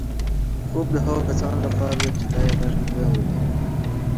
خوب د هغو کسانو لپاره دی چې لا یې غږ نه دی اورېدلی.